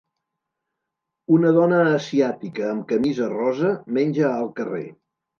Una dona asiàtica amb camisa rosa menja al carrer.